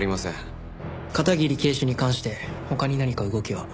片桐警視に関して他に何か動きは？